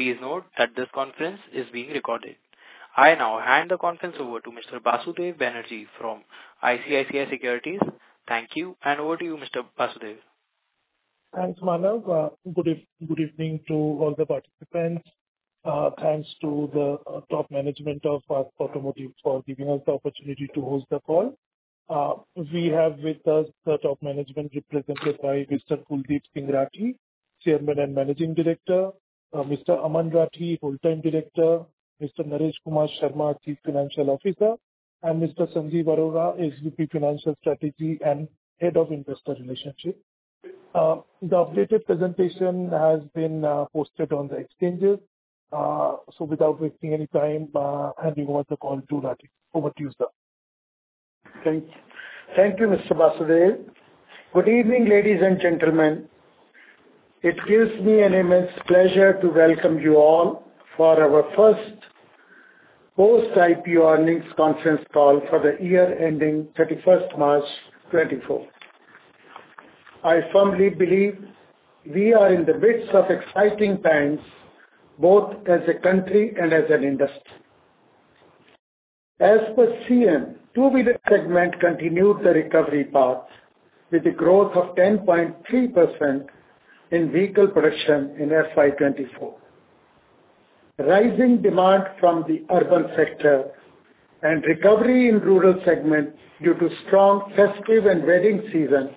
Please note that this conference is being recorded. I now hand the conference over to Mr. Basudeb Banerjee from ICICI Securities. Thank you, and over to you, Mr. Basudeb. Thanks, Manav. Good, good evening to all the participants. Thanks to the top management of ASK Automotive for giving us the opportunity to host the call. We have with us the top management, represented by Mr. Kuldip Singh Rathee, Chairman and Managing Director, Mr. Aman Rathee, Full-time Director, Mr. Naresh Kumar Sharma, Chief Financial Officer, and Mr. Sanjeev Arora, SVP, Financial Strategy and Head of Investor Relations. The updated presentation has been posted on the exchanges. So without wasting any time, handing over the call to Rathee. Over to you, sir. Thanks. Thank you, Mr. Basudeb. Good evening, ladies and gentlemen. It gives me an immense pleasure to welcome you all for our first post-IPO earnings conference call for the year ending 31 March 2024. I firmly believe we are in the midst of exciting times, both as a country and as an industry. As per SIAM, two-wheeler segment continued the recovery path with a growth of 10.3% in vehicle production in FY 2024. Rising demand from the urban sector and recovery in rural segment due to strong festive and wedding season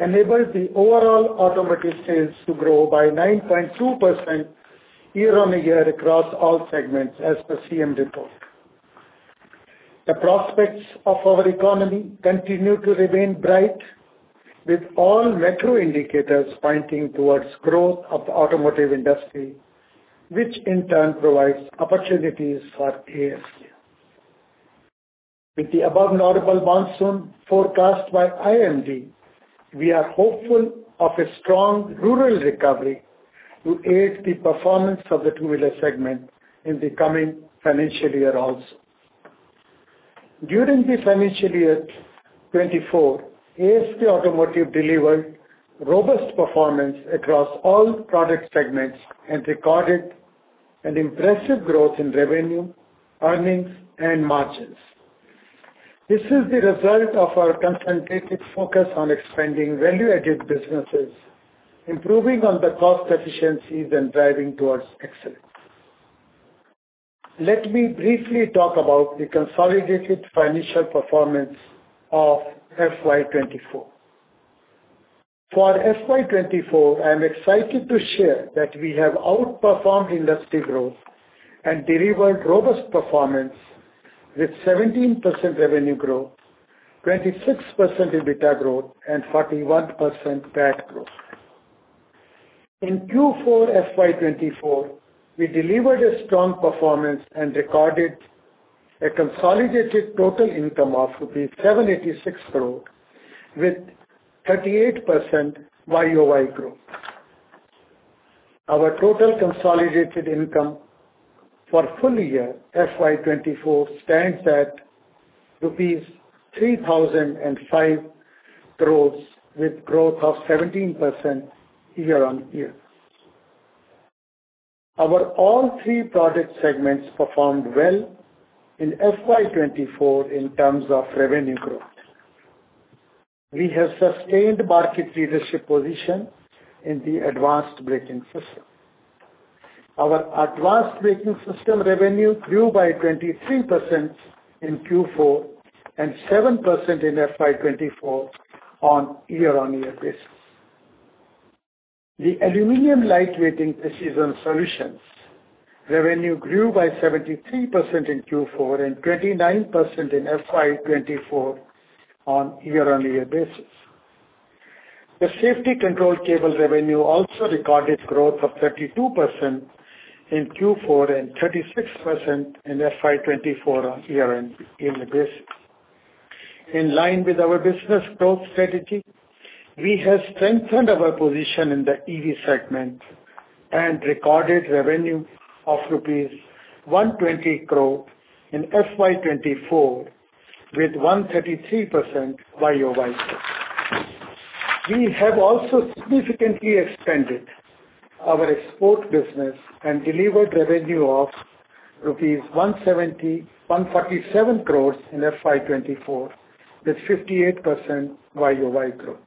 enabled the overall automotive sales to grow by 9.2% year-on-year across all segments, as per SIAM report. The prospects of our economy continue to remain bright, with all macro indicators pointing towards growth of the automotive industry, which in turn provides opportunities for ASK. With the above normal monsoon forecast by IMD, we are hopeful of a strong rural recovery to aid the performance of the two-wheeler segment in the coming financial year also. During the financial year 2024, ASK Automotive delivered robust performance across all product segments and recorded an impressive growth in revenue, earnings, and margins. This is the result of our concentrated focus on expanding value-added businesses, improving on the cost efficiencies, and driving towards excellence. Let me briefly talk about the consolidated financial performance of FY 2024. For FY 2024, I'm excited to share that we have outperformed industry growth and delivered robust performance with 17% revenue growth, 26% EBITDA growth, and 41% PAT growth. In Q4 FY 2024, we delivered a strong performance and recorded a consolidated total income of rupees 786 crores, with 38% YOY growth. Our total consolidated income for full year FY24 stands at rupees 3,005 crore, with growth of 17% year-on-year. Our all three product segments performed well in FY24 in terms of revenue growth. We have sustained market leadership position in the Advanced Braking System. Our Advanced Braking System revenue grew by 23% in Q4, and 7% in FY24 on year-on-year basis. The Aluminum Lightweighting Precision Solutions revenue grew by 73% in Q4, and 29% in FY24 on year-on-year basis. The Safety Control Cable revenue also recorded growth of 32% in Q4, and 36% in FY24 on year end annual basis. In line with our business growth strategy, we have strengthened our position in the EV segment and recorded revenue of rupees 120 crore in FY24, with 133% YOY growth. We have also significantly expanded our export business and delivered revenue of rupees 171.47 crore in FY 2024, with 58% YOY growth.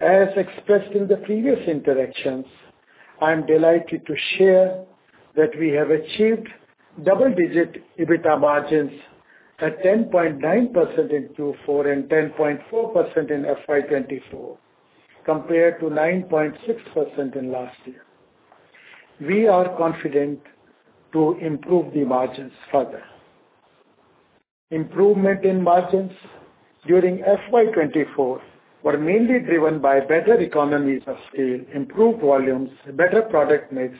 As expressed in the previous interactions, I am delighted to share that we have achieved double-digit EBITDA margins at 10.9% in Q4, and 10.4% in FY 2024, compared to 9.6% in last year. We are confident to improve the margins further. Improvement in margins during FY 2024 were mainly driven by better economies of scale, improved volumes, better product mix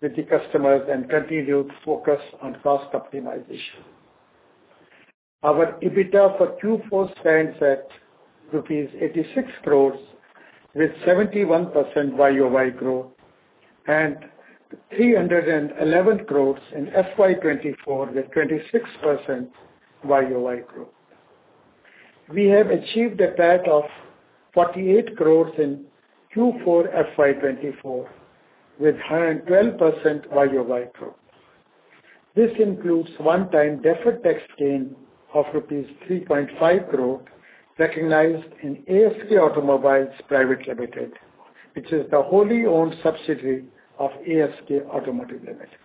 with the customers, and continued focus on cost optimization. Our EBITDA for Q4 stands at rupees 86 crore, with 71% YOY growth, and 311 crore in FY 2024, with 26% YOY growth.... We have achieved a PAT of 48 crore in Q4 FY 2024, with 112% YOY growth. This includes one-time deferred tax gain of rupees 3.5 crore, recognized in ASK Automobiles Private Limited, which is the wholly owned subsidiary of ASK Automotive Limited.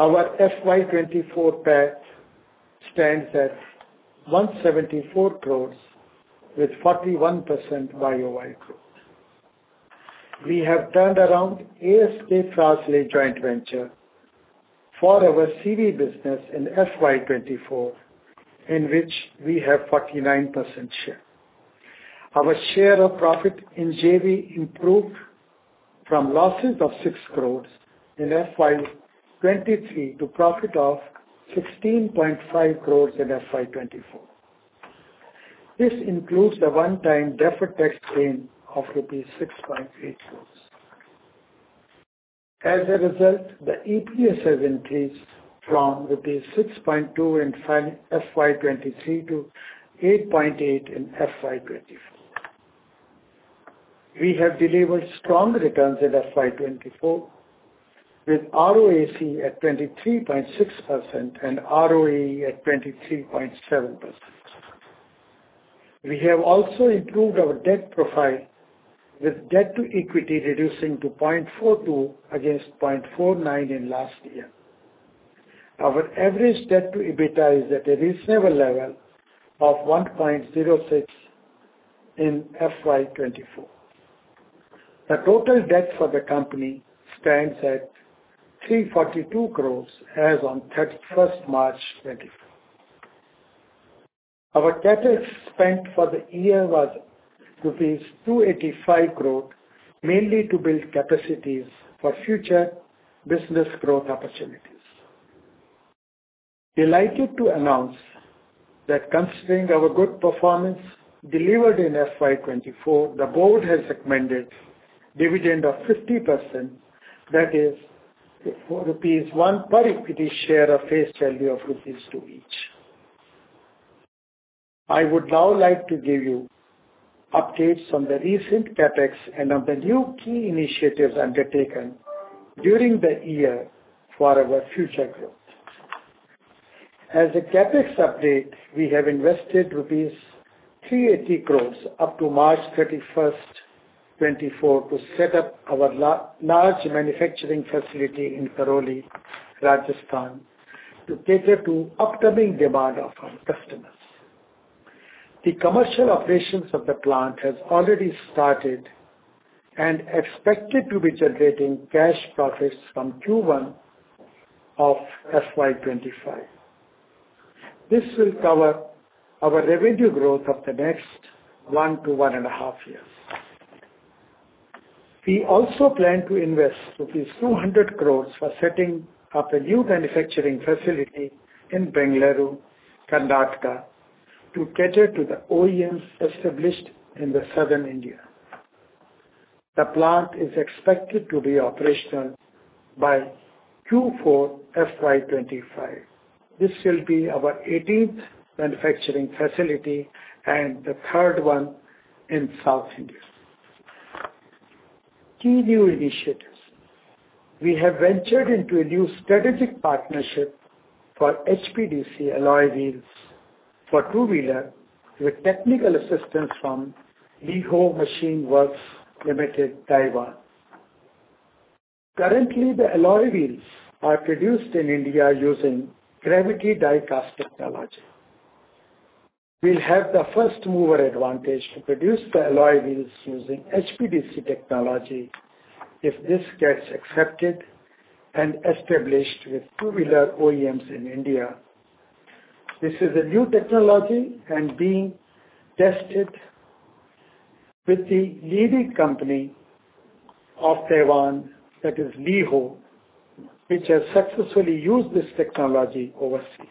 Our FY 2024 PAT stands at 174 crore with 41% YOY growth. We have turned around ASK Fras-le Friction Private Limited joint venture for our CV business in FY 2024, in which we have 49% share. Our share of profit in JV improved from losses of 6 crore in FY 2023 to profit of 16.5 crore in FY 2024. This includes the one-time deferred tax gain of rupees 6.8 crore. As a result, the EPS has increased from rupees 6.2 in FY 2023 to 8.8 in FY 2024. We have delivered strong returns in FY 2024, with ROCE at 23.6% and ROE at 23.7%. We have also improved our debt profile, with debt to equity reducing to 0.42 against 0.49 in last year. Our average debt to EBITDA is at a reasonable level of 1.06 in FY 2024. The total debt for the company stands at 342 crore as on 31st March, 2024. Our CapEx spent for the year was rupees 285 crore, mainly to build capacities for future business growth opportunities. Delighted to announce that considering our good performance delivered in FY 2024, the board has recommended dividend of 50%, that is, rupees 1 per equity share of face value of rupees 2 each. I would now like to give you updates on the recent CapEx and on the new key initiatives undertaken during the year for our future growth. As a CapEx update, we have invested rupees 380 crore up to March 31, 2024, to set up our large manufacturing facility in Karauli, Rajasthan, to cater to upcoming demand of our customers. The commercial operations of the plant has already started and expected to be generating cash profits from Q1 of FY 2025. This will cover our revenue growth of the next 1-1.5 years. We also plan to invest rupees 200 crore for setting up a new manufacturing facility in Bengaluru, Karnataka, to cater to the OEMs established in the Southern India. The plant is expected to be operational by Q4 FY 2025. This will be our eighteenth manufacturing facility and the third one in South India. Key new initiatives. We have ventured into a new strategic partnership for HPDC Alloy Wheels for two-wheeler, with technical assistance from LIOHO Machine Works Limited, Taiwan. Currently, the alloy wheels are produced in India using gravity die-cast technology. We'll have the first-mover advantage to produce the alloy wheels using HPDC technology if this gets accepted and established with two-wheeler OEMs in India. This is a new technology and being tested with the leading company of Taiwan, that is LIOHO, which has successfully used this technology overseas.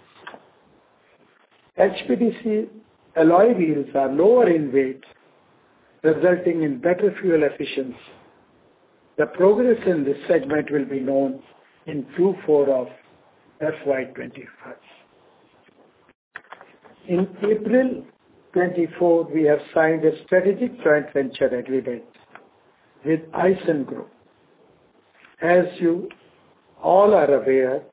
HPDC alloy wheels are lower in weight, resulting in better fuel efficiency. The progress in this segment will be known in Q4 of FY25. In April 2024, we have signed a strategic joint venture agreement with Aisin Group. As you all are aware,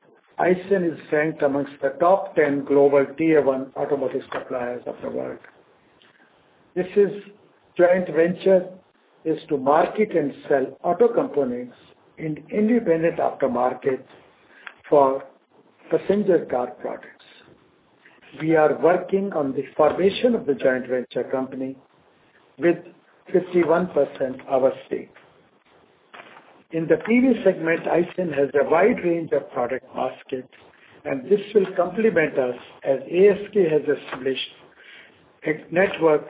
Aisin is ranked amongst the top 10 global Tier 1 automotive suppliers of the world. This joint venture is to market and sell auto components in independent aftermarket for passenger car products. We are working on the formation of the joint venture company with 51% our stake. In the PV segment, Aisin has a wide range of product basket, and this will complement us as ASK has established a network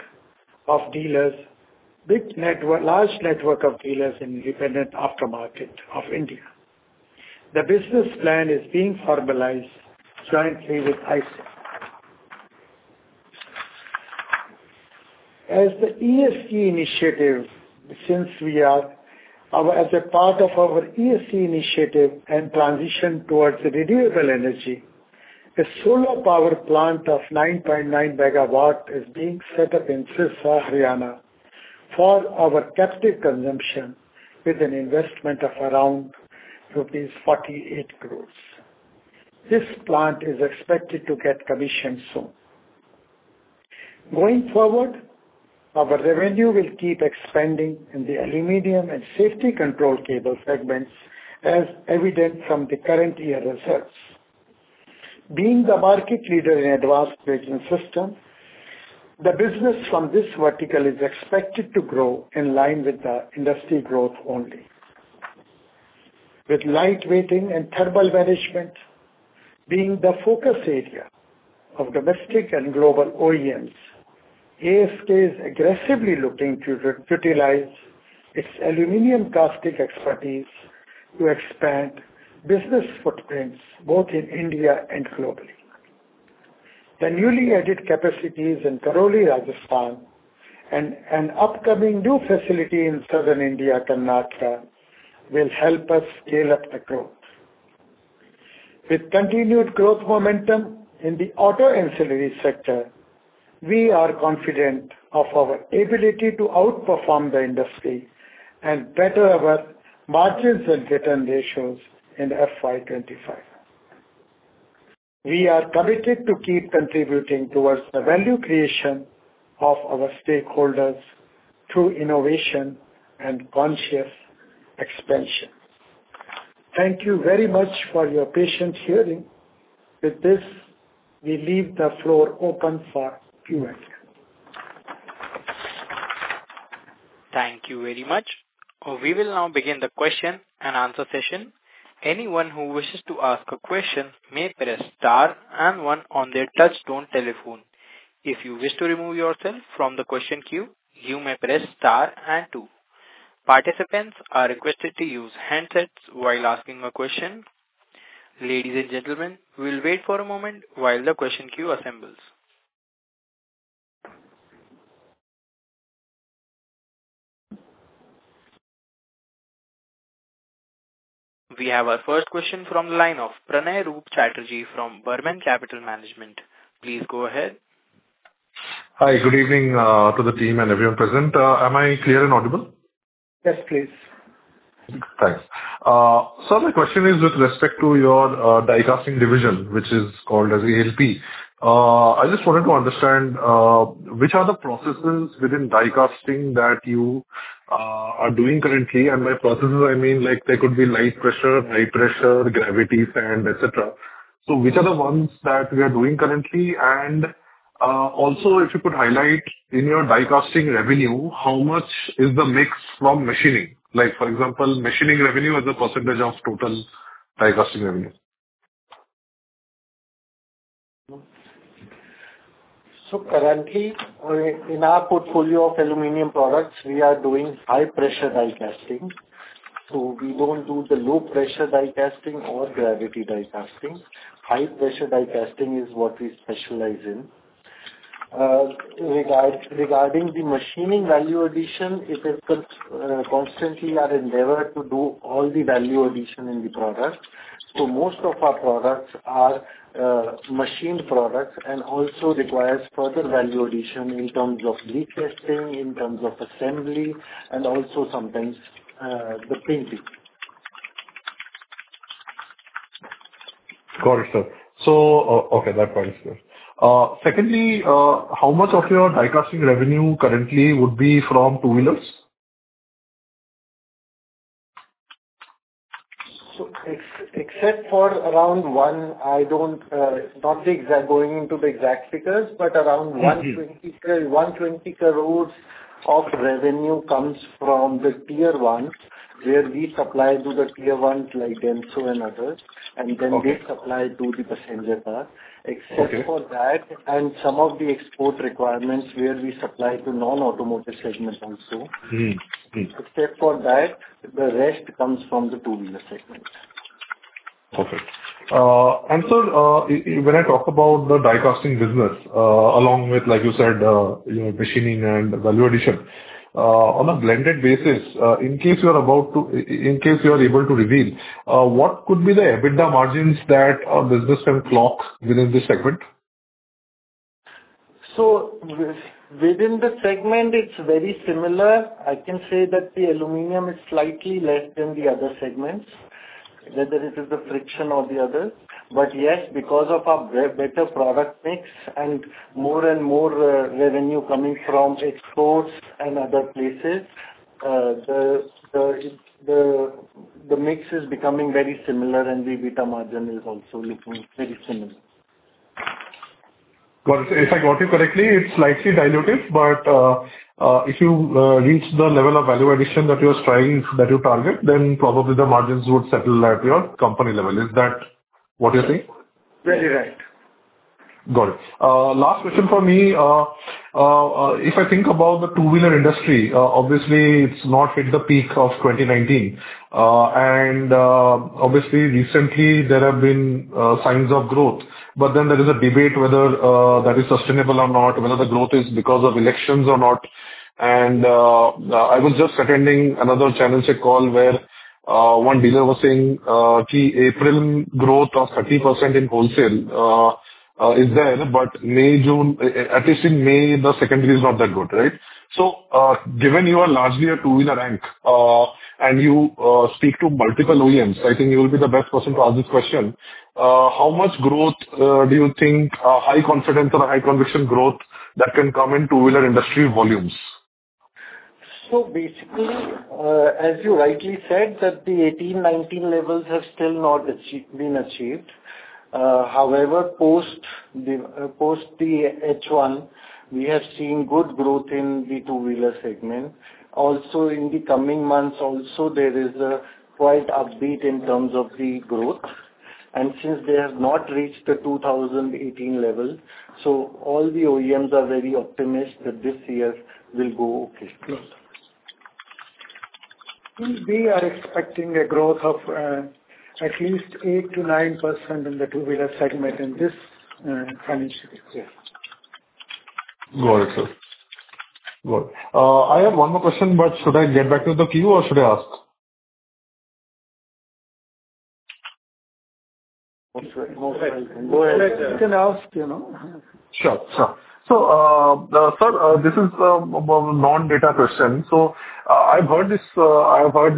of dealers, large network of dealers in independent aftermarket of India. The business plan is being formalized jointly with Aisin. As part of our ESG initiative and transition toward the renewable energy, a solar power plant of 9.9 MW is being set up in Sirsa, Haryana, for our captive consumption with an investment of around rupees 48 crore. This plant is expected to get commissioned soon. Going forward, our revenue will keep expanding in the aluminum and safety control cable segments, as evident from the current year results. Being the market leader in Advanced Braking System, the business from this vertical is expected to grow in line with the industry growth only. With lightweighting and thermal management being the focus area of domestic and global OEMs, ASK is aggressively looking to utilize its aluminum casting expertise to expand business footprints both in India and globally. The newly added capacities in Karauli, Rajasthan, and an upcoming new facility in Southern India, Karnataka, will help us scale up the growth. With continued growth momentum in the auto ancillary sector, we are confident of our ability to outperform the industry and better our margins and return ratios in FY25. We are committed to keep contributing towards the value creation of our stakeholders through innovation and conscious expansion. Thank you very much for your patient hearing. With this, we leave the floor open for Q&A. Thank you very much. We will now begin the question and answer session. Anyone who wishes to ask a question may press star and one on their touchtone telephone. If you wish to remove yourself from the question queue, you may press star and two. Participants are requested to use handsets while asking a question. Ladies and gentlemen, we'll wait for a moment while the question queue assembles. We have our first question from the line of Pranay Roop Chatterjee from Burman Capital Management. Please go ahead. Hi, good evening, to the team and everyone present. Am I clear and audible? Yes, please. Thanks. So my question is with respect to your die casting division, which is called as ALP. I just wanted to understand which are the processes within die casting that you are doing currently? And by processes, I mean, like, there could be light pressure, high pressure, gravity, sand, et cetera. So which are the ones that we are doing currently? And also, if you could highlight in your die casting revenue, how much is the mix from machining? Like, for example, machining revenue as a percentage of total die casting revenue. So currently, in our portfolio of aluminum products, we are doing high-pressure die casting, so we don't do the low-pressure die casting or gravity die casting. High-pressure die casting is what we specialize in. Regarding the machining value addition, it is constantly our endeavor to do all the value addition in the product. So most of our products are machined products and also requires further value addition in terms of retesting, in terms of assembly, and also sometimes the printing. Got it, sir. So, okay, that point is clear. Secondly, how much of your die casting revenue currently would be from two-wheelers? So, except for around one, I don't not the exact going into the exact figures, but around- 120 crore of revenue comes from the Tier 1s, where we supply to the Tier 1s like Denso and others- Okay. and then they supply to the passenger car. Okay. Except for that, and some of the export requirements where we supply to non-automotive segments also. Except for that, the rest comes from the two-wheeler segment. Okay. And so, when I talk about the die casting business, along with, like you said, you know, machining and value addition, on a blended basis, in case you are about to... In case you are able to reveal, what could be the EBITDA margins that business can clock within this segment? So within the segment, it's very similar. I can say that the aluminum is slightly less than the other segments, whether it is the friction or the other. But yes, because of a better product mix and more and more, revenue coming from exports and other places, the mix is becoming very similar and the EBITDA margin is also looking very similar. Got it. If I got you correctly, it's slightly diluted, but if you reach the level of value addition that you are striving, that you target, then probably the margins would settle at your company level. Is that what you're saying? Very right. Got it. Last question for me. If I think about the two-wheeler industry, obviously it's not hit the peak of 2019. And obviously recently there have been signs of growth, but then there is a debate whether that is sustainable or not, whether the growth is because of elections or not... I was just attending another channel check call where one dealer was saying key April growth of 30% in wholesale is there, but May, June, at least in May, the secondary is not that good, right? So, given you are largely a two-wheeler rank, and you speak to multiple OEMs, I think you will be the best person to ask this question. How much growth do you think, high confidence or high conviction growth that can come in two-wheeler industry volumes? So basically, as you rightly said, that the 18, 19 levels have still not been achieved. However, post the H1, we have seen good growth in the two-wheeler segment. Also, in the coming months also, there is a quite upbeat in terms of the growth, and since they have not reached the 2018 level, so all the OEMs are very optimistic that this year will go okay. We are expecting a growth of at least 8%-9% in the two-wheeler segment in this financial year. Got it, sir. Got it. I have one more question, but should I get back to the queue, or should I ask? Go ahead. You can ask, you know. Sure, sir. So, sir, this is a non-data question: So, I've heard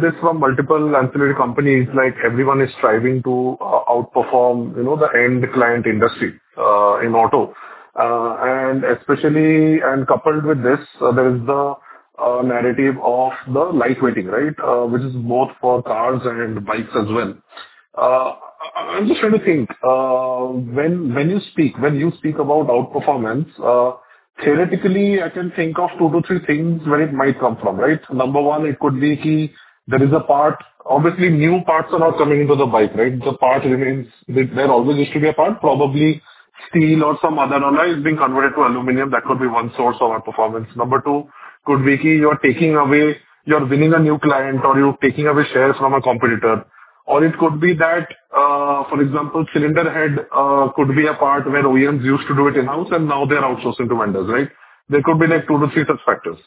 this from multiple ancillary companies, like, everyone is striving to outperform, you know, the end client industry in auto. And especially, and coupled with this, there is the narrative of the lightweighting, right? I just want to think, when you speak about outperformance, theoretically, I can think of 2-3 things where it might come from, right? Number one, it could be key. There is a part... Obviously, new parts are not coming into the bike, right? The part remains. There always used to be a part, probably steel or some other alloy is being converted to aluminum. That could be one source of outperformance. Number two could be key, you're taking away, you're winning a new client, or you're taking away shares from a competitor. Or it could be that, for example, cylinder head could be a part where OEMs used to do it in-house, and now they're outsourcing to vendors, right? There could be, like, two to three such factors.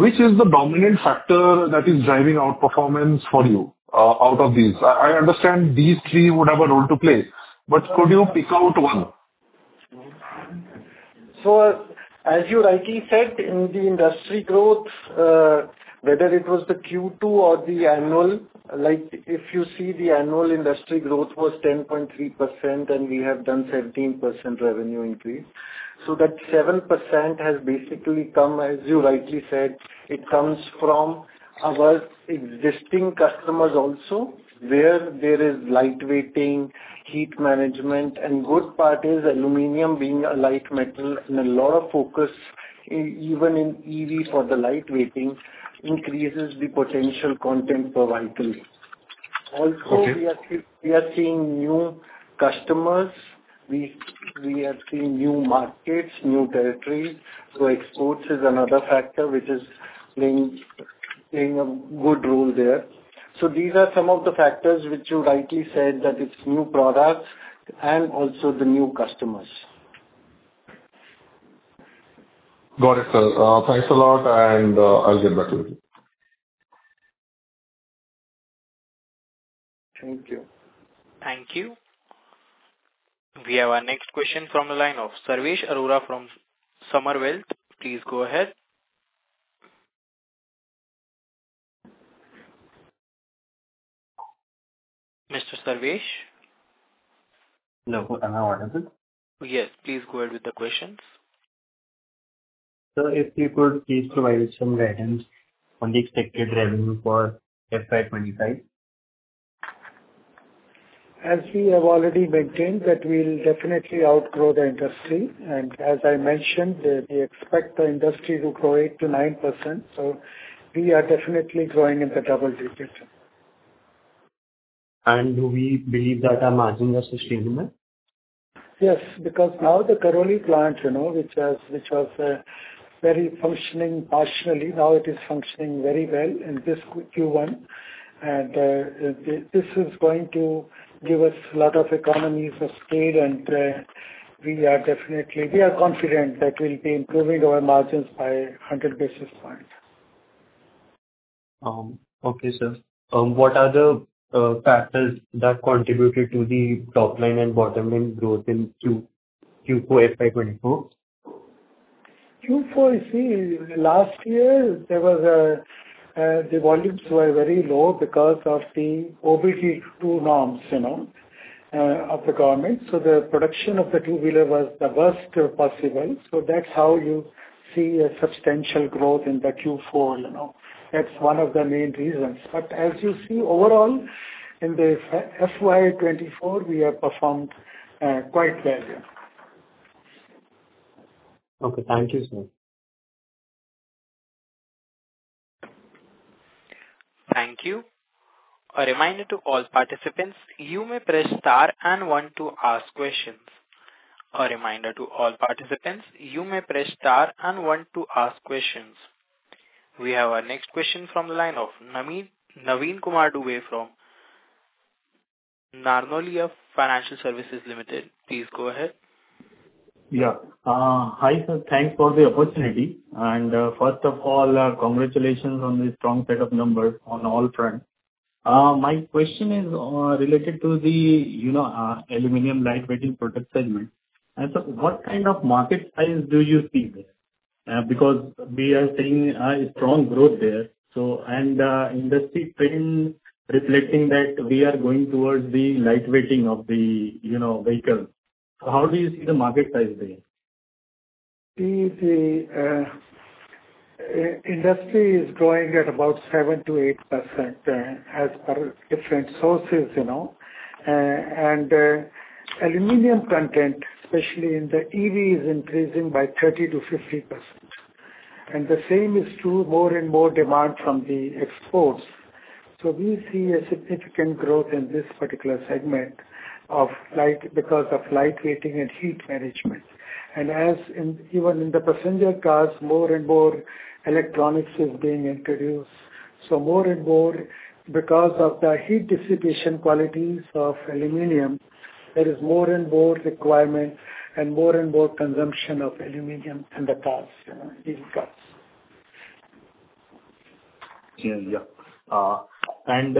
Which is the dominant factor that is driving outperformance for you, out of these? I, I understand these three would have a role to play, but could you pick out one? So, as you rightly said, in the industry growth, whether it was the Q2 or the annual, like, if you see the annual industry growth was 10.3%, and we have done 17% revenue increase. So that 7% has basically come, as you rightly said, it comes from our existing customers also, where there is lightweighting, heat management, and good part is aluminum being a light metal and a lot of focus even in EV for the lightweighting, increases the potential content per vehicle. Okay. Also, we are seeing new customers. We are seeing new markets, new territories. So exports is another factor, which is playing a good role there. So these are some of the factors which you rightly said, that it's new products and also the new customers. Got it, sir. Thanks a lot, and I'll get back to you. Thank you. Thank you. We have our next question from the line of Sarvesh Arora from Samar Wealth. Please go ahead. Mr. Sarvesh? Hello, am I audible? Yes, please go ahead with the questions. Sir, if you could please provide some guidance on the expected revenue for FY 2025. As we have already maintained, that we'll definitely outgrow the industry, and as I mentioned, we expect the industry to grow 8%-9%, so we are definitely growing in the double digits. Do we believe that our margins are sustainable? Yes, because now the Karauli plant, you know, which was very functioning partially, now it is functioning very well in this Q1, and this is going to give us a lot of economies of scale, and we are definitely confident that we'll be improving our margins by 100 basis points. Okay, sir. What are the factors that contributed to the top line and bottom line growth in Q4 FY 2022? Q4, you see, last year, there was a, the volumes were very low because of the OBD-2 norms, you know, of the government. So the production of the two-wheeler was the worst possible. So that's how you see a substantial growth in the Q4, you know. That's one of the main reasons. But as you see, overall, in the FY24, we have performed quite well here. Okay, thank you, sir. Thank you. A reminder to all participants, you may press star and one to ask questions. A reminder to all participants, you may press star and one to ask questions. We have our next question from the line of Naveen Kumar Dubey from Narnolia Financial Services Limited. Please go ahead. Yeah. Hi, sir. Thanks for the opportunity. First of all, congratulations on the strong set of numbers on all fronts. My question is related to the, you know, Aluminum Lightweighting product segment. So what kind of market size do you see there? Because we are seeing a strong growth there. So, industry trend reflecting that we are going towards the lightweighting of the, you know, vehicle. So how do you see the market size there? See, the industry is growing at about 7%-8%, as per different sources, you know. And aluminum content, especially in the EV, is increasing by 30%-50%, and the same is true, more and more demand from the exports. So we see a significant growth in this particular segment of light because of lightweighting and heat management. And as in, even in the passenger cars, more and more electronics is being introduced. So more and more, because of the heat dissipation qualities of aluminum, there is more and more requirement and more and more consumption of aluminum in the cars, you know, in cars. Yeah, yeah. And,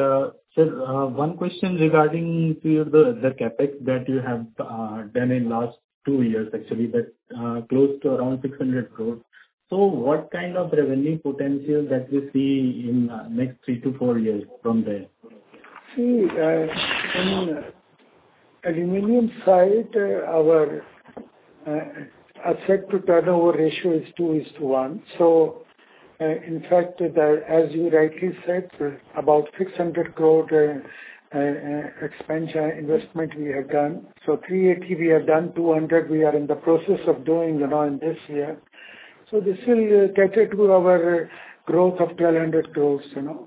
sir, one question regarding the CapEx that you have done in last 2 years, actually, that close to around 600 crore. So what kind of revenue potential that you see in next 3-4 years from there? See, in aluminum side, our asset turnover ratio is 2 to 1. So, in fact, as you rightly said, about 600 crore expansion investment we have done. So 380 crore we have done, 200 crore we are in the process of doing, you know, in this year. So this will cater to our growth of 1,200 crores, you know?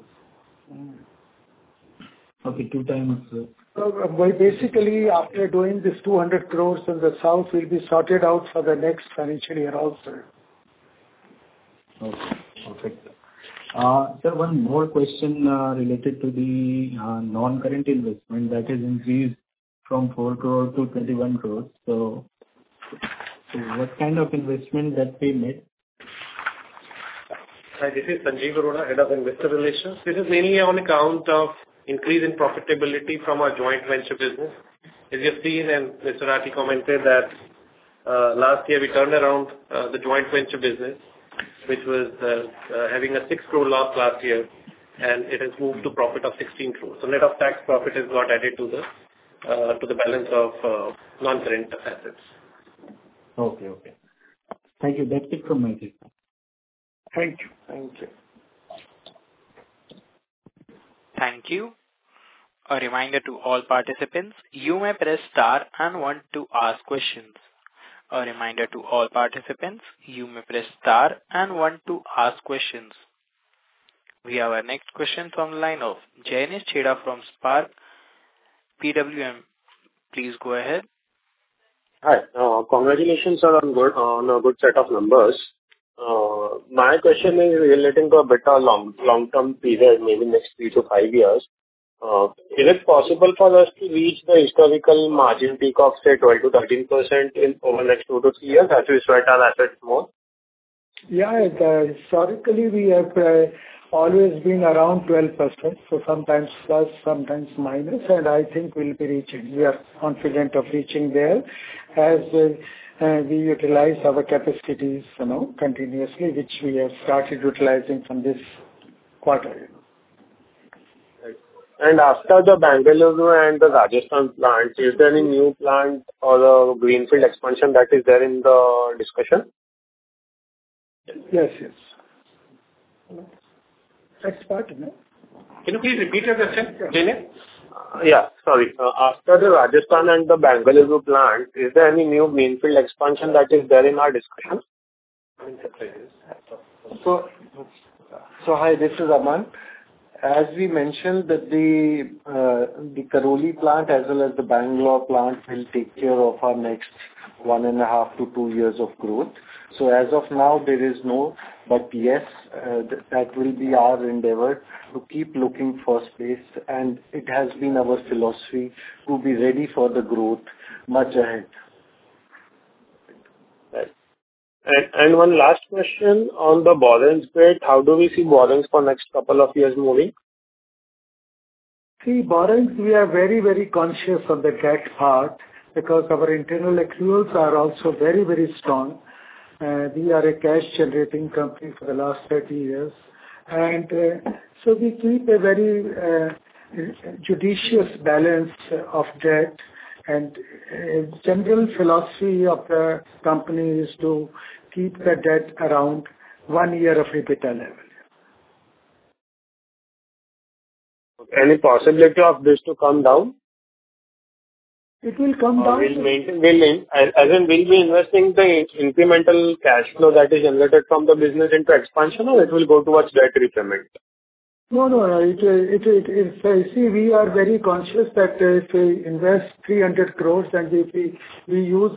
Okay, 2 times. So by basically after doing this 200 crore in the south, we'll be sorted out for the next financial year also. Okay. Perfect. Sir, one more question, related to the non-current investment that has increased from 4 crore to 21 crore. So, what kind of investment that we made? Hi, this is Sanjeev Arora, Head of Investor Relations. This is mainly on account of increase in profitability from our joint venture business. As you've seen, and Mr. Rathee commented, that, last year we turned around, the joint venture business, which was, having a 6 crore loss last year, and it has moved to profit of 16 crore. So net of tax profit has got added to the, to the balance of, non-current assets. Okay, okay. Thank you. That's it from my side. Thank you. Thank you. Thank you. A reminder to all participants, you may press star and one to ask questions. A reminder to all participants, you may press star and one to ask questions. We have our next question from the line of Jainis Chheda from Spark PWM. Please go ahead. Hi. Congratulations on a good, on a good set of numbers. My question is relating to a bit of long, long-term period, maybe next 3-5 years. Is it possible for us to reach the historical margin peak of, say, 12%-13% in over the next 2-3 years as you sweat our assets more? Yeah, historically, we have always been around 12%, so sometimes plus, sometimes minus, and I think we'll be reaching. We are confident of reaching there as we utilize our capacities, you know, continuously, which we have started utilizing from this quarter. Right. As per the Bengaluru and the Rajasthan plant, is there any new plant or a greenfield expansion that is there in the discussion? Yes, yes. Next part, no? Can you please repeat the question, Jainis? Yeah, sorry. After the Rajasthan and the Bengaluru plant, is there any new greenfield expansion that is there in our discussion? Hi, this is Aman. As we mentioned that the Karauli plant as well as the Bengaluru plant will take care of our next 1.5-2 years of growth. So as of now, there is no, but yes, that will be our endeavor to keep looking for space, and it has been our philosophy to be ready for the growth much ahead. Right. And one last question on the borrowings spread. How do we see borrowings for next couple of years moving? See, borrowings, we are very, very conscious on the cash part because our internal accruals are also very, very strong. We are a cash generating company for the last 30 years. So we keep a very, judicious balance of debt, and, general philosophy of the company is to keep the debt around 1 year of EBITDA level. Any possibility of this to come down? It will come down- As in, we'll be investing the incremental cash flow that is generated from the business into expansion, or it will go towards debt repayment? No, no, see, we are very conscious that if we invest 300 crore and if we use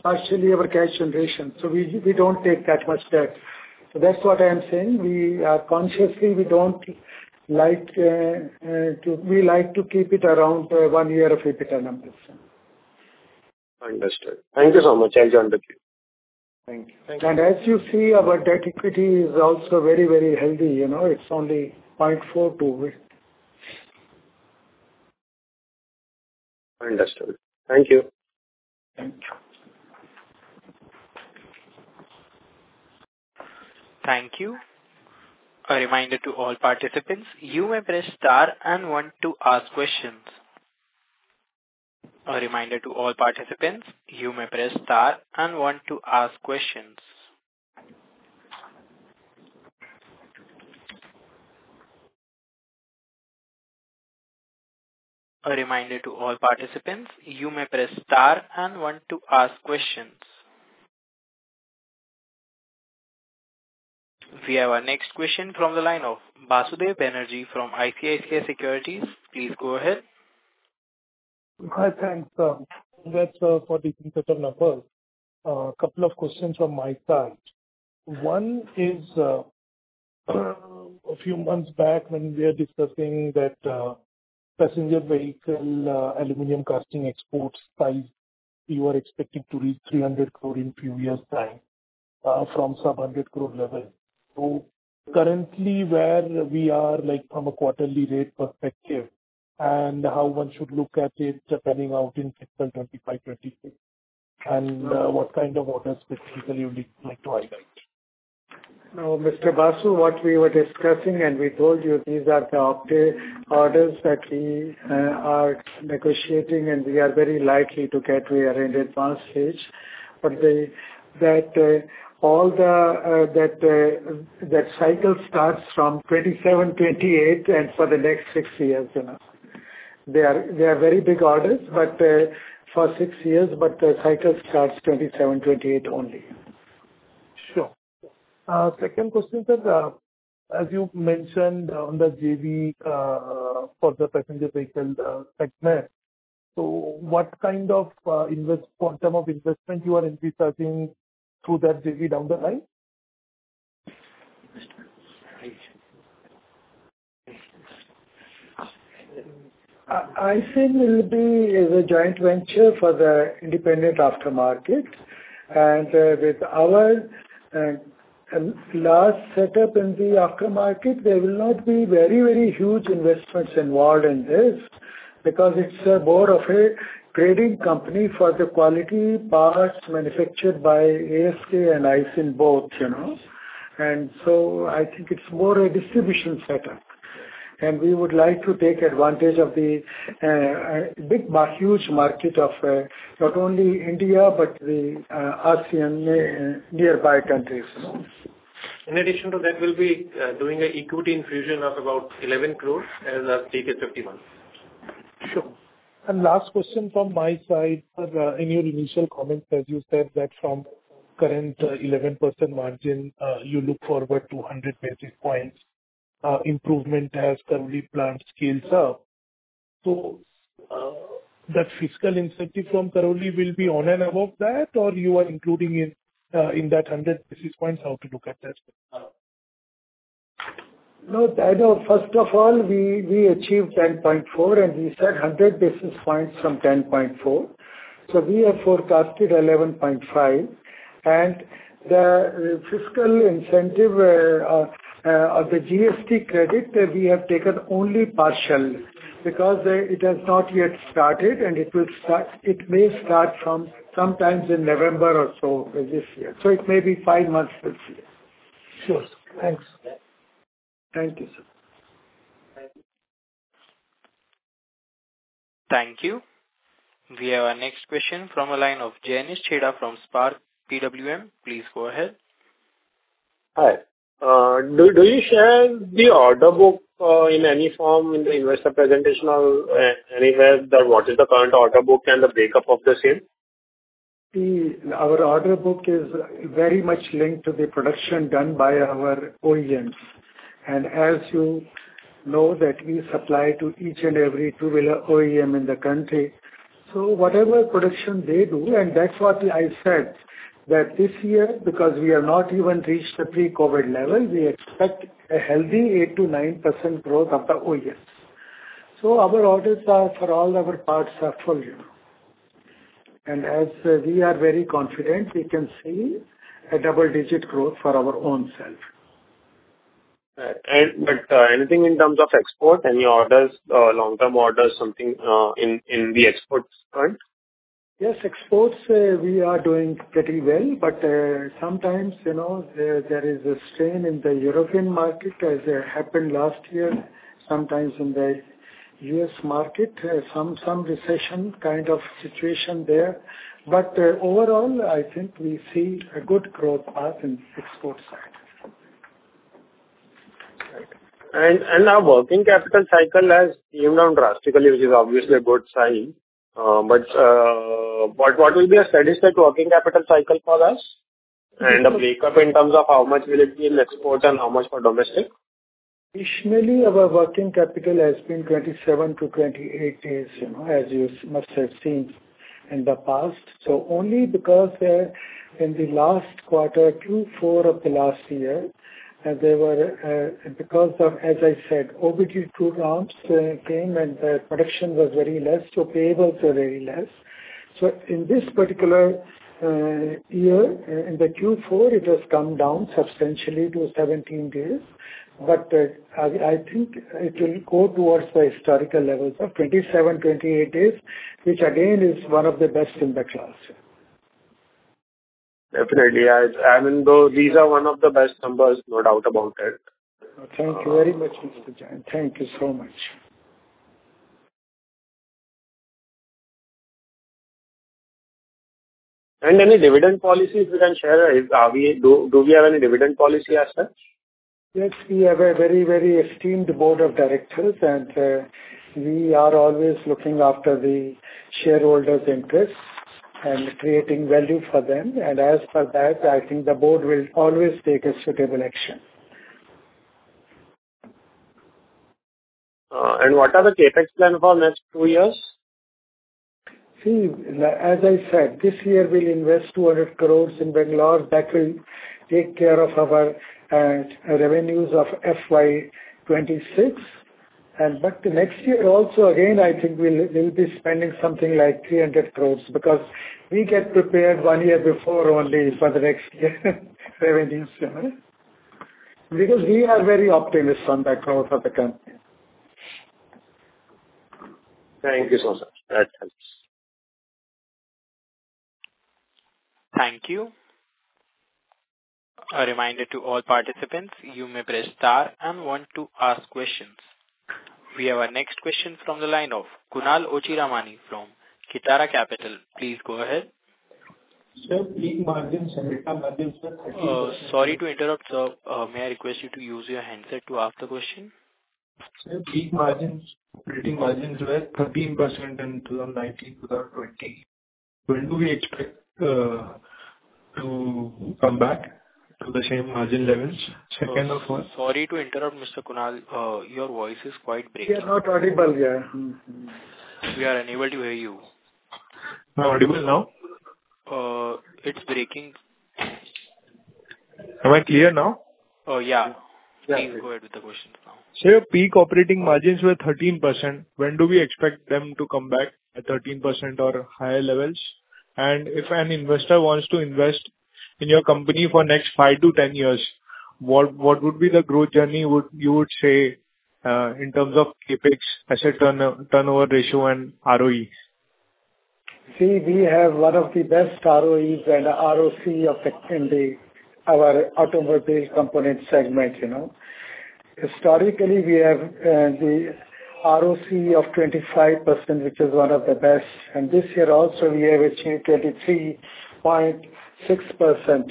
partially our cash generation, so we don't take that much debt. So that's what I am saying. We are consciously, we don't like, we like to keep it around one year of EBITDA numbers. Understood. Thank you so much. I enjoyed it. Thank you. As you see, our debt equity is also very, very healthy, you know, it's only 0.42. Understood. Thank you. Thank you. Thank you. A reminder to all participants, you may press star and one to ask questions. A reminder to all participants, you may press star and one to ask questions. A reminder to all participants, you may press star and one to ask questions. We have our next question from the line of Basudeb Banerjee from ICICI Securities. Please go ahead. Hi, thanks, sir. That's for the better numbers. A couple of questions from my side. One is, a few months back, when we were discussing that, passenger vehicle, aluminum casting exports size, you were expecting to reach 300 crore in few years time, from 700 crore level. So currently, where we are, like from a quarterly rate perspective, and how one should look at it panning out in fiscal 2025, 2026? And, what kind of orders specifically you'd like to highlight? Mr. Basu, what we were discussing, and we told you, these are the update orders that we are negotiating, and we are very likely to get. We are in the advanced stage. But that cycle starts from 2027, 2028 and for the next six years, you know. They are very big orders, but for six years, but the cycle starts 2027, 2028 only. Sure. Second question, sir. As you mentioned on the JV, for the passenger vehicle segment, so what kind of investment quantum of investment you are anticipating through that JV down the line? I think will be as a joint venture for the independent aftermarket. And with our large setup in the aftermarket, there will not be very, very huge investments involved in this, because it's more of a trading company for the quality parts manufactured by ASK and Aisin both, you know? And so I think it's more a distribution setup, and we would like to take advantage of the huge market of not only India, but the ASEAN nearby countries. In addition to that, we'll be doing an equity infusion of about Rs. 11 crore as our stake is 51. Sure. And last question from my side, sir. In your initial comments, as you said, that from current 11% margin, you look forward to 100 basis points improvement as Karauli plant scales up. So, that fiscal incentive from Karauli will be on and above that, or you are including it in that 100 basis points? How to look at that? No, I know. First of all, we achieved 10.4, and we said 100 basis points from 10.4. So we have forecasted 11.5. The fiscal incentive of the GST credit, we have taken only partial, because it has not yet started, and it will start, it may start from sometimes in November or so, this year. So it may be 5 months this year. Sure. Thanks. Thank you, sir. Thank you. We have our next question from the line of Jainis Chheda from Spark PWM. Please go ahead. Hi. Do you share the order book in any form in the investor presentation or anywhere, that what is the current order book and the breakup of the same? Our order book is very much linked to the production done by our OEMs. As you know that we supply to each and every two-wheeler OEM in the country. Whatever production they do, and that's what I said, that this year, because we have not even reached the pre-COVID level, we expect a healthy 8%-9% growth of the OEMs. Our orders are for all our parts are full, you know. As we are very confident, we can see a double-digit growth for our own self. Anything in terms of export? Any orders, long-term orders, something, in the export front? Yes, exports, we are doing pretty well, but, sometimes, you know, there is a strain in the European market, as it happened last year, sometimes in the U.S. market, some recession kind of situation there. But, overall, I think we see a good growth path in export side. Right. And our working capital cycle has come down drastically, which is obviously a good sign. But what will be a satisfied working capital cycle for us? And a breakup in terms of how much will it be in export and how much for domestic?... Additionally, our working capital has been 27-28 days, you know, as you must have seen in the past. So only because, in the last quarter, Q4 of the last year, there were, because of, as I said, OBD-2 rounds, came, and the production was very less, so payables were very less. So in this particular, year, in the Q4, it has come down substantially to 17 days. But, I, I think it will go towards the historical levels of 27-28 days, which again, is one of the best in the class. Definitely, I mean, though, these are one of the best numbers, no doubt about it. Thank you very much, Mr. Jayant. Thank you so much. Any dividend policies you can share? Do we have any dividend policy as such? Yes, we have a very, very esteemed board of directors, and we are always looking after the shareholders' interests and creating value for them. As for that, I think the board will always take a suitable action. What are the CapEx plan for next two years? See, as I said, this year we'll invest 200 crore in Bengaluru. That will take care of our revenues of FY 2026. But next year also, again, I think we'll be spending something like 300 crore, because we get prepared one year before only for the next year revenues, you know? Because we are very optimistic on the growth of the company. Thank you so much. That helps. Thank you. A reminder to all participants, you may press star and one to ask questions. We have our next question from the line of Kunal Ochiramani from Kitara Capital. Please go ahead. Sir, peak margins and return margins are 13%- Sorry to interrupt, sir. May I request you to use your handset to ask the question? Sir, peak margins, operating margins were 13% in 2019, 2020. When do we expect to come back to the same margin levels? Second of all- Sorry to interrupt, Mr. Kunal, your voice is quite breaking. You are not audible, yeah. We are unable to hear you. Am I audible now? It's breaking. Am I clear now? Uh, yeah. Yeah. Please go ahead with the question now. Sir, peak operating margins were 13%. When do we expect them to come back at 13% or higher levels? And if an investor wants to invest in your company for next 5-10 years, what would be the growth journey you would say in terms of CapEx, asset turnover ratio and ROEs? See, we have one of the best ROEs and ROC in our automotive component segment, you know. Historically, we have the ROC of 25%, which is one of the best. And this year also, we have achieved 23.6%,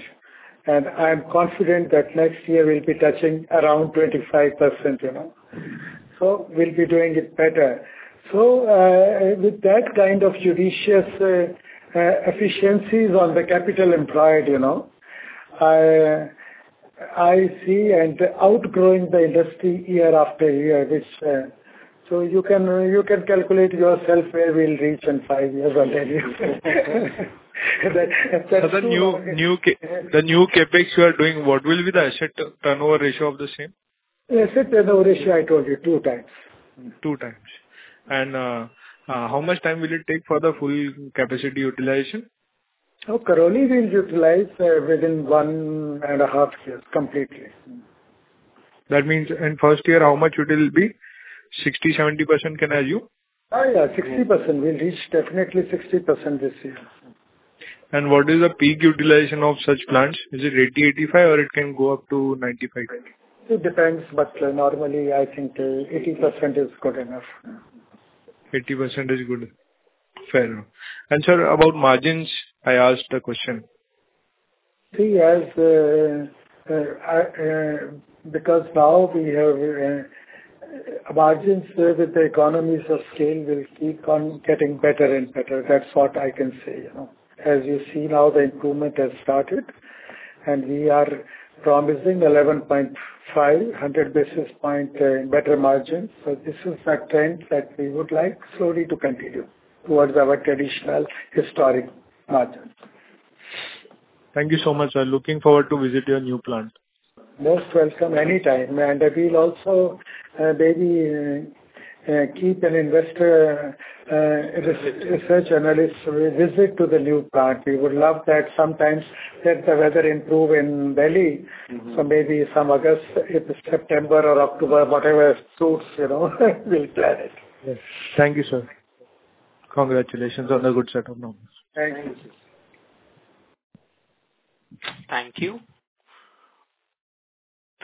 and I'm confident that next year we'll be touching around 25%, you know? So we'll be doing it better. So, with that kind of judicious efficiencies on the capital employed, you know, I, I see and outgrowing the industry year after year, which... So you can, you can calculate yourself where we'll reach in five years on value. The new CapEx you are doing, what will be the asset turnover ratio of the same? Asset turnover ratio, I told you, 2x. 2 times. How much time will it take for the full capacity utilization? Oh, Karauli will utilize within one and a half years, completely. That means in first year, how much it will be? 60, 70%, can I assume? Yeah, 60%. We'll reach definitely 60% this year. What is the peak utilization of such plants? Is it 80, 85, or it can go up to 95? It depends, but normally I think, 80% is good enough. 80% is good. Fair enough. Sir, about margins, I asked a question. See, because now we have margins with the economies of scale will keep on getting better and better. That's what I can say, you know. As you see now, the improvement has started, and we are promising 11.5, 100 basis points better margins. So this is the trend that we would like slowly to continue towards our traditional historic margins. Thank you so much, sir. Looking forward to visit your new plant. Most welcome, anytime. And we'll also, maybe, keep an investor research analyst visit to the new plant. We would love that sometimes let the weather improve in Delhi. So maybe some August, if September or October, whatever suits, you know, we'll plan it. Yes. Thank you, sir. Congratulations on the good set of numbers. Thank you. Thank you.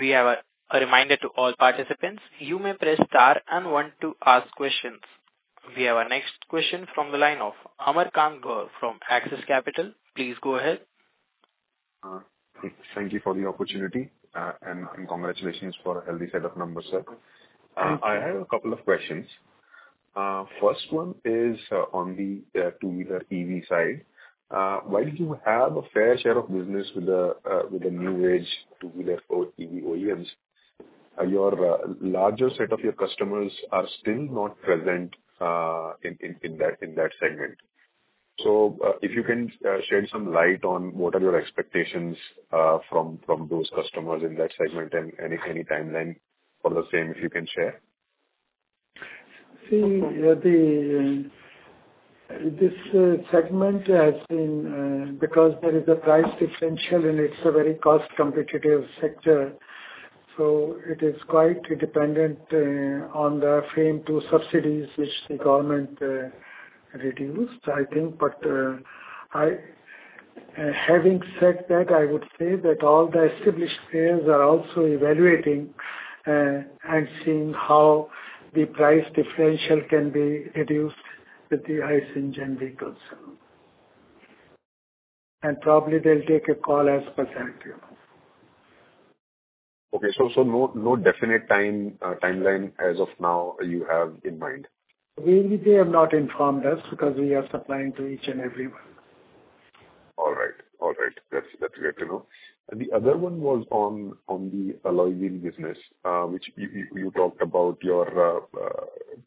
We have a reminder to all participants, you may press star and one to ask questions. We have our next question from the line of Amar Kant Gaur from Axis Capital. Please go ahead. Thank you for the opportunity, and congratulations for a healthy set of numbers, sir. Thank you. I have a couple of questions.... First one is on the two-wheeler EV side. While you have a fair share of business with the new age two-wheeler for EV OEMs, your larger set of your customers are still not present in that segment. So, if you can shed some light on what are your expectations from those customers in that segment, and any timeline for the same, if you can share? See, this segment has been, because there is a price differential, and it's a very cost-competitive sector, so it is quite dependent on the FAME II subsidies, which the government reduced, I think. But, having said that, I would say that all the established players are also evaluating and seeing how the price differential can be reduced with the ICE engine vehicles. And probably they'll take a call as per that, you know. Okay. So, no definite timeline as of now you have in mind? They have not informed us, because we are supplying to each and everyone. All right. That's great to know. And the other one was on the alloy wheel business, which you talked about your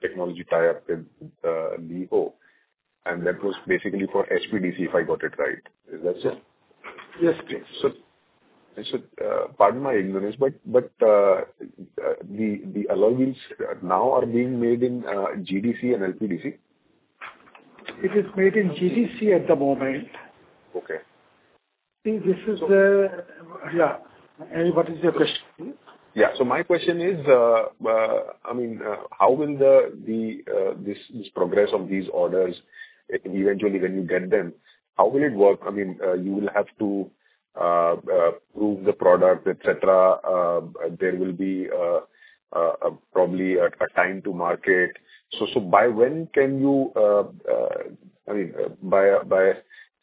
technology tie-up with LIOHO, and that was basically for HPDC, if I got it right. Is that so? Yes, yes. So, pardon my ignorance, but the alloy wheels now are being made in GDC and HPDC? It is made in GDC at the moment. Okay. See, this is. Yeah, and what is your question? Yeah. So my question is, I mean, how will this progress of these orders, eventually when you get them, how will it work? I mean, you will have to prove the product, et cetera. There will be probably a time to market. So by when can you, I mean, by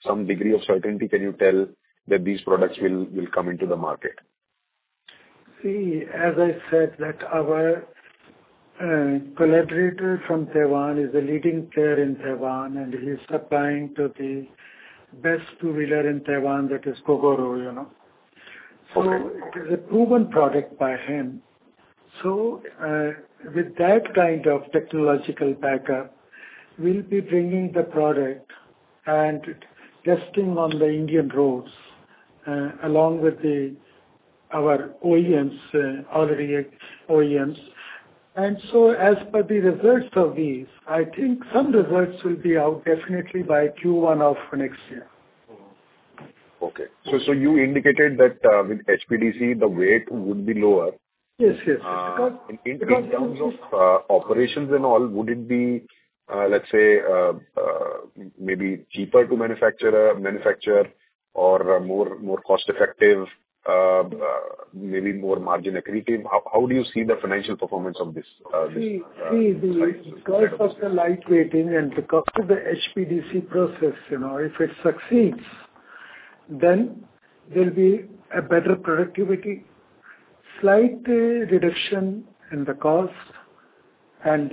some degree of certainty, can you tell that these products will come into the market? See, as I said, that our collaborator from Taiwan is a leading player in Taiwan, and he's supplying to the best two-wheeler in Taiwan, that is Gogoro, you know. Okay. It is a proven product by him. With that kind of technological backup, we'll be bringing the product and testing on the Indian roads, along with our OEMs already. As per the results of these, I think some results will be out definitely by Q1 of next year. Okay. So you indicated that, with HPDC, the weight would be lower? Yes, yes. In terms of operations and all, would it be, let's say, maybe cheaper to manufacture or more cost effective, maybe more margin accretive? How do you see the financial performance of this this- See, see, the cost of the light weighting and the cost of the HPDC process, you know, if it succeeds, then there'll be a better productivity, slight reduction in the cost and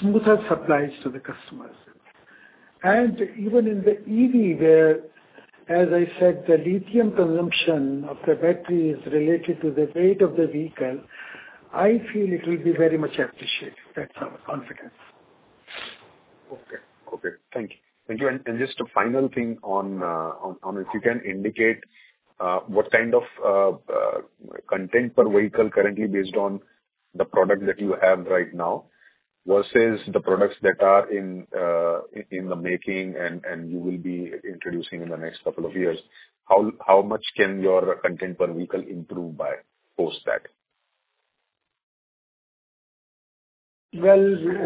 smoother supplies to the customers. And even in the EV, where, as I said, the lithium consumption of the battery is related to the weight of the vehicle, I feel it will be very much appreciated. That's our confidence. Okay. Okay, thank you. Thank you, and just a final thing on if you can indicate what kind of content per vehicle currently based on the product that you have right now, versus the products that are in the making and you will be introducing in the next couple of years. How much can your content per vehicle improve by post that? Well,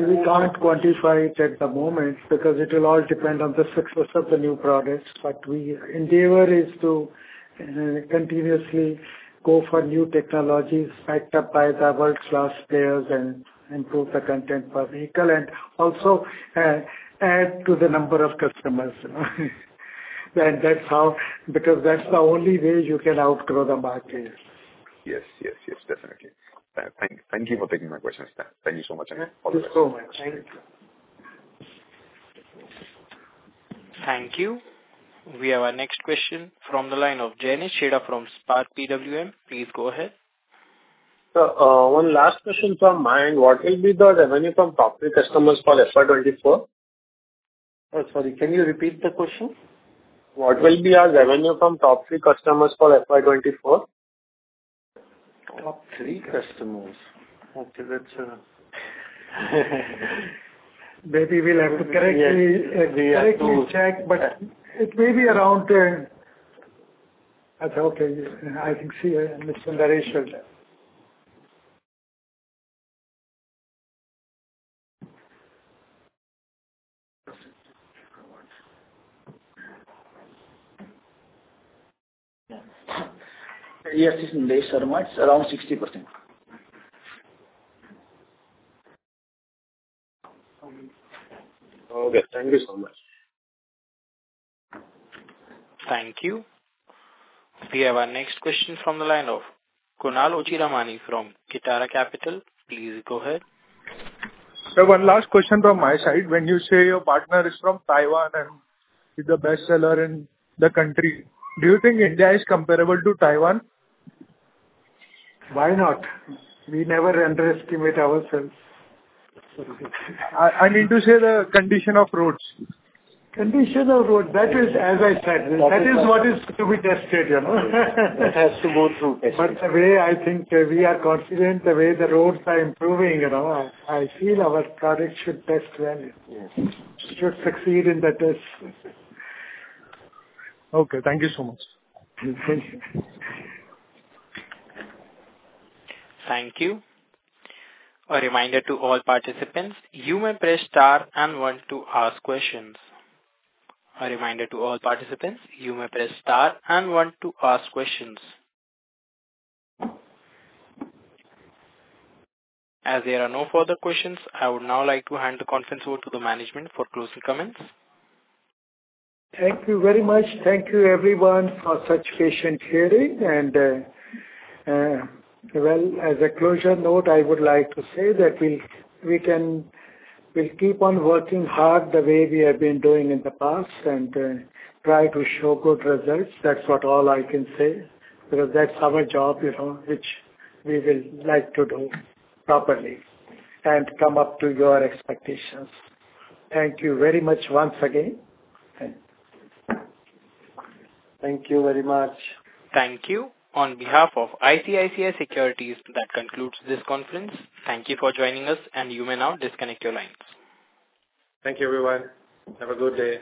we can't quantify it at the moment because it will all depend on the success of the new products. But our endeavor is to continuously go for new technologies, backed up by the world-class players and improve the content per vehicle, and also add to the number of customers. And that's how, because that's the only way you can outgrow the market. Yes, yes, yes, definitely. Thank you for taking my questions. Thank you so much again. You're welcome. Thank you. Thank you. We have our next question from the line of Jainis Chheda from Spark PWM. Please go ahead. Sir, one last question from my end. What will be the revenue from top three customers for FY24? Sorry, can you repeat the question? What will be your revenue from top three customers for FY 2024? Top three customers? Okay, that's... Maybe we'll have to correctly- Yes, we have to- Correctly check, but it may be around, okay, I think, see, Mr. Naresh will check. Yes, this is Naresh Sharma. It's around 60%. Okay, thank you so much. Thank you. We have our next question from the line of Kunal Ochiramani from Kitara Capital. Please go ahead. One last question from my side. When you say your partner is from Taiwan, and he's the best seller in the country, do you think India is comparable to Taiwan? Why not? We never underestimate ourselves. I mean to say the condition of roads. Condition of roads, that is, as I said, that is what is to be tested, you know? It has to go through testing. But the way I think we are confident, the way the roads are improving, you know, I feel our product should test well. Yes. Should succeed in the test. Okay, thank you so much. You're welcome. Thank you. A reminder to all participants, you may press star and one to ask questions. A reminder to all participants, you may press star and one to ask questions. As there are no further questions, I would now like to hand the conference over to the management for closing comments. Thank you very much. Thank you, everyone, for such patient hearing. Well, as a closure note, I would like to say that we'll keep on working hard the way we have been doing in the past, and try to show good results. That's what all I can say, because that's our job, you know, which we will like to do properly and come up to your expectations. Thank you very much once again. Thank you very much. Thank you. On behalf of ICICI Securities, that concludes this conference. Thank you for joining us, and you may now disconnect your lines. Thank you, everyone. Have a good day.